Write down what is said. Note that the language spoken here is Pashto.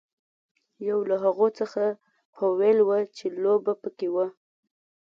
یوه له هغو څخه هویل وه چې لوبه پکې وه.